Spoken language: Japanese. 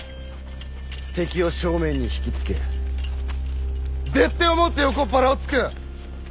敵を正面に引き付け別手をもって横っ腹をつく！